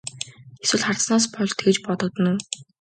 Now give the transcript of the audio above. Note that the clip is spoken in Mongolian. Эсвэл хардсанаас болж тэгж бодогдоно уу?